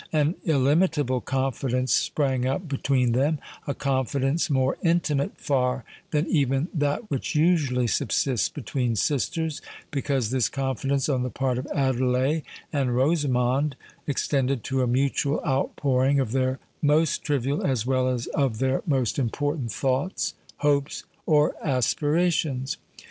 An illimitable confidence sprang up between them—a confidence more intimate far than even that which usually subsists between sisters; because this confidence on the part of Adelais and Rosamond extended to a mutual outpouring of their most trivial as well as of their most important thoughts, hopes, or aspirations.